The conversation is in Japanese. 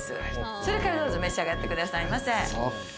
それからどうぞ召し上がってくださいませ。